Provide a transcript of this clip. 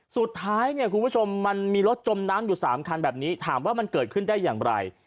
สุดท้ายเนี่ยคุณผู้ชมมันมีรถจมน้ำอยู่๓คันแบบนี้ถามว่ามันเกิดขึ้นได้อย่างไร